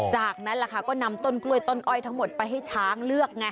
จากนั้นล่ะค่ะก็นำต้นกล้วยต้นอ้อยทั้งหมดไปให้ช้างเลือกไง